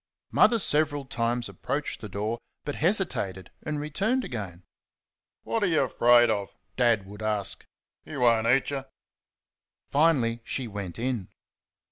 Mother several times approached the door, but hesitated and returned again. "What are you afraid of?" Dad would ask; "he won't eat y'." Finally she went in.